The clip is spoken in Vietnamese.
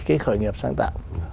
cái khởi nghiệp sáng tạo